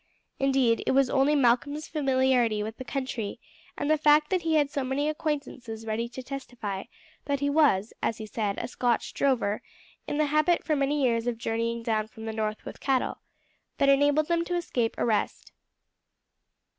Indeed it was only Malcolm's familiarity with the country, and the fact that he had so many acquaintances ready to testify that he was, as he said, a Scotch drover, in the habit for many years of journeying down from the north with cattle, that enabled them to escape arrest.